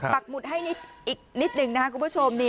ปักหมุดให้อีกนิดหนึ่งนะครับคุณผู้ชม